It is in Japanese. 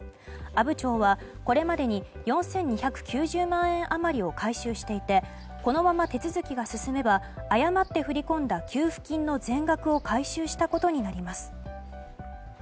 阿武町はこれまでに４２９０万円余りを回収していてこのまま手続きが進めば誤って振り込んだ給付金の全額を回収したことになります。